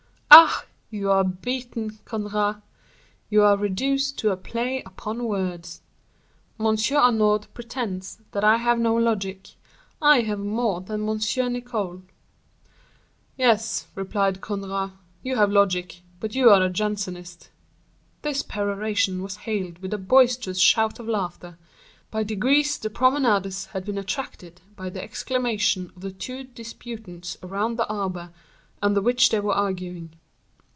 "Ah! you are beaten, Conrart; you are reduced to a play upon words. M. Arnaud pretends that I have no logic; I have more than M. Nicole." "Yes," replied Conrart, "you have logic, but you are a Jansenist." This peroration was hailed with a boisterous shout of laughter; by degrees the promenaders had been attracted by the exclamations of the two disputants around the arbor under which they were arguing.